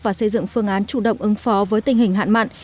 và xây dựng phương án chủ động ứng phó với tình hình hạn mặn